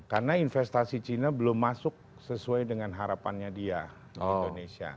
karena investasi cina belum masuk sesuai dengan harapannya dia di indonesia